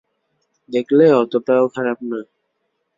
দেখলে, অতোটাও খারাপ না।